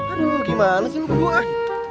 aduh gimana sih lo ke buah